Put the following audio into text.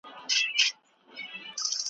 ایا جګړي د خصوصي سکتور کارونه ودرول؟